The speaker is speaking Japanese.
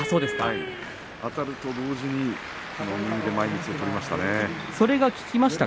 あたると同時に右で前みつを取りました。